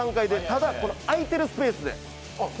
ただ、空いてるスペースで。